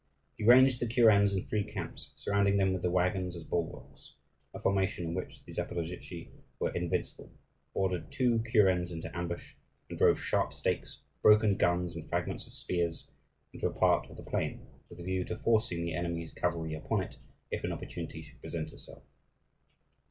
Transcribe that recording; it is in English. He ranged the kurens in three camps, surrounding them with the waggons as bulwarks a formation in which the Zaporozhtzi were invincible ordered two kurens into ambush, and drove sharp stakes, broken guns, and fragments of spears into a part of the plain, with a view to forcing the enemy's cavalry upon it if an opportunity should present itself.